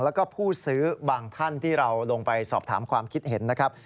แล้วก็ผู้ซื้อบางท่านที่เราลงไปสอบถามความคิดเห็นนะครับ